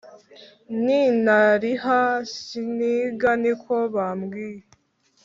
Nintariha siniga niko bambwiye